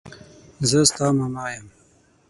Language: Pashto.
زه ستا ماما يم.